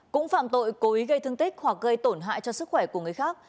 cũng phạm tội cố ý gây thương tích hoặc gây tổn hại cho sức khỏe của người khác